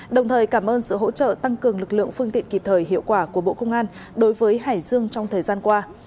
đồng thời cảm ơn sự hỗ trợ tăng cường lực lượng phương tiện kịp thời hiệu quả của bộ công an đối với hải dương trong thời gian qua